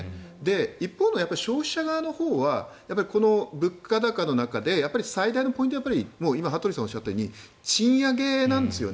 一方の消費者側のほうはこの物価高の中で最大のポイントは今、羽鳥さんがおっしゃったように賃上げなんですね。